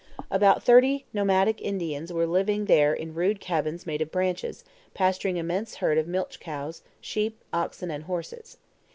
About thirty nomadic Indians were living there in rude cabins made of branches, pasturing immense herds of milch cows, sheep, oxen, and horses.